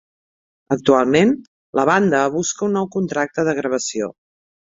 Actualment la banda busca un nou contracte de gravació.